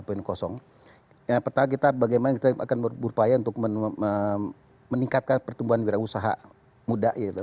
yang pertama kita bagaimana kita akan berupaya untuk meningkatkan pertumbuhan wirausaha muda